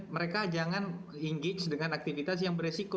mereka jangan engage dengan aktivitas yang beresiko